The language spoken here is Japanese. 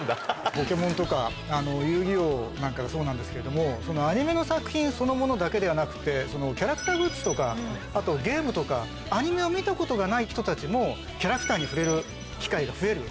ポケモンとか遊戯王なんかがそうなんですけど、アニメの作品そのものだけではなくて、キャラクターグッズとか、あとゲームとか、アニメを見たことがない人たちもキャラクターに触れる機会が増える。